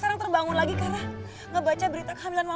berkaji uang jenis bliver kekayaan peti tangan kamu